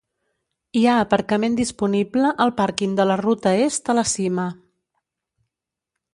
Hi ha aparcament disponible al pàrquing de la ruta est a la cima.